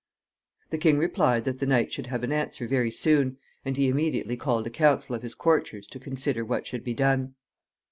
The king replied that the knight should have an answer very soon, and he immediately called a council of his courtiers to consider what should be done.